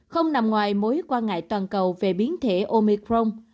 không nằm ngoài mối quan ngại toàn cầu về biến thể omicron